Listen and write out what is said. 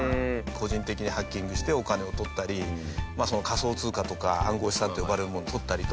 個人的にハッキングしてお金をとったり仮想通貨とか暗号資産って呼ばれるものをとったりとか。